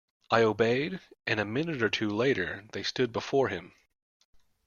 I obeyed, and a minute or two later they stood before him.